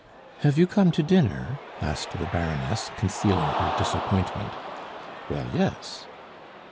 "Have you come to dinner?" asked the Baroness, concealing her disappointment. "Well, yes."